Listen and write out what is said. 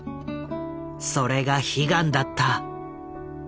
それが悲願だった。